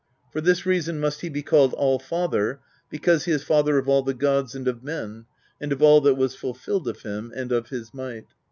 For this rea son must he be called Allfather: because he is father of all the gods and of men, and of all that was fulfilled of him and of his might.